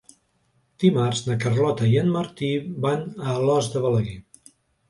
Dimarts na Carlota i en Martí van a Alòs de Balaguer.